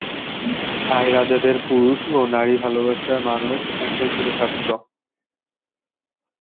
থাই রাজাদের পুরুষ ও নারী ভালোবাসার মানুষ একই সাথে থাকত।